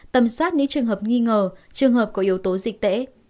tầm soát những trường hợp nghi ngờ trường hợp có yếu tố dịch tễ